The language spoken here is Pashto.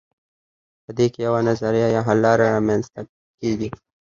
په دې کې یوه نظریه یا حل لاره رامیینځته کیږي.